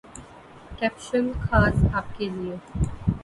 caption خاص آپ کے لیے